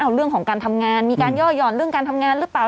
เอาเรื่องของการทำงานมีการย่อหย่อนเรื่องการทำงานหรือเปล่า